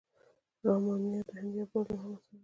راماینا د هند بله لویه حماسه ده.